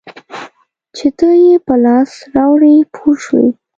چې ته یې په لاس راوړې پوه شوې!.